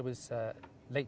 enam tahun lalu